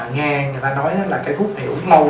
nghe người ta nói là cái thuốc này uống lâu